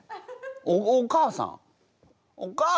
お母さん。